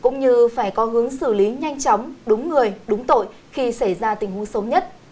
như phải có hướng xử lý nhanh chóng đúng người đúng tội khi xảy ra tình huống xấu nhất